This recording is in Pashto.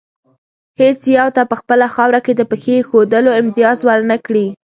هېڅ یو ته په خپله خاوره کې د پښې ایښودلو امتیاز ور نه کړي.